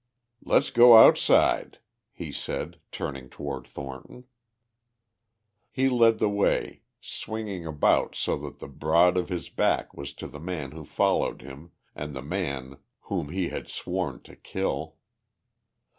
"Let's go outside," he said, turning toward Thornton. He led the way, swinging about so that the broad of his back was to the man who followed him and the man whom he had sworn to kill.